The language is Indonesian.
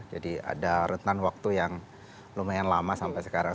jadi ada retan waktu yang lumayan lama sampai sekarang